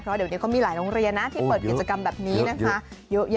เพราะเดี๋ยวนี้เขามีหลายโรงเรียนนะที่เปิดกิจกรรมแบบนี้นะคะ